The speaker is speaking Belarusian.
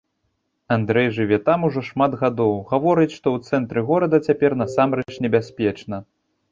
Андрэй жыве там ужо шмат гадоў, гаворыць, што ў цэнтры горада цяпер насамрэч небяспечна.